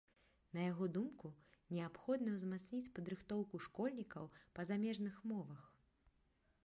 На яго думку, неабходна ўзмацніць падрыхтоўку школьнікаў па замежных мовах.